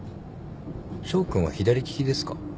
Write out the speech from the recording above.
翔君は左利きですか？